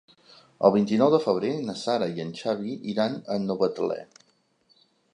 El vint-i-nou de febrer na Sara i en Xavi iran a Novetlè.